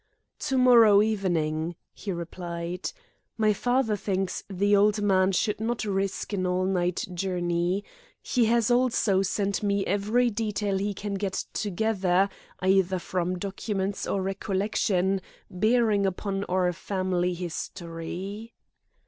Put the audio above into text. "To morrow evening," he replied. "My father thinks the old man should not risk an all night journey. He has also sent me every detail he can get together, either from documents or recollection, bearing upon our family history."